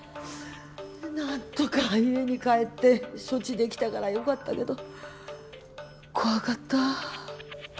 なんとか家に帰って処置できたからよかったけど怖かった。